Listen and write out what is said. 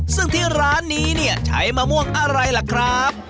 ซึ่งที่ร้านนี้เนี่ยใช้มะม่วงอะไรล่ะครับ